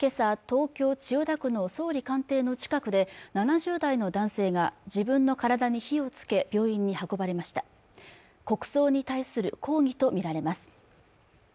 東京千代田区の総理官邸の近くで７０代の男性が自分の体に火をつけ病院に運ばれました国葬に対する抗議と見られます